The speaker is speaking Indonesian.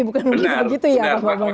bukan begitu ya pak